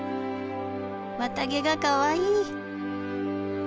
綿毛がかわいい。